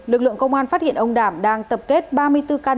lực lượng công an phát hiện ông đảm đang tập kết ba mươi bốn căn